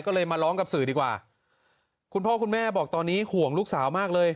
ก็เลยมาร้องกับสื่อดีกว่าคุณพ่อคุณแม่บอกตอนนี้ห่วงลูกสาวมากเลย